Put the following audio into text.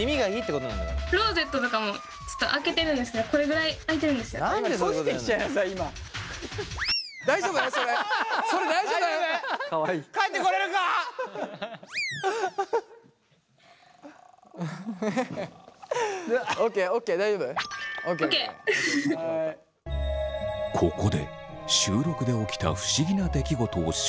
ここで収録で起きた不思議な出来事を紹介します。